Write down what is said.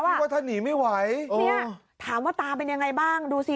คิดว่าถ้าหนีไม่ไหวเนี่ยถามว่าตาเป็นยังไงบ้างดูสิ